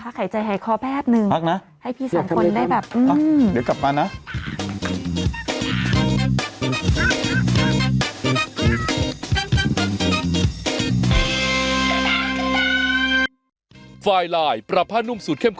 พักหายใจหายคอแป๊บนึงให้พี่สังคมได้แบบอืม